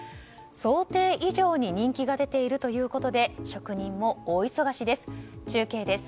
想定以上に人気が出ているということで職人も大忙しです。